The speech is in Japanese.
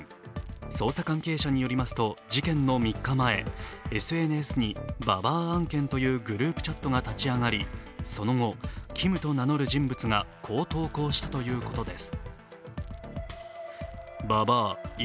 捜査関係者によりますと、事件の３日前、ＳＮＳにババア案件というグループチャットが立ち上がり、その後、Ｋｉｍと名乗る人物が、こう投稿したということです。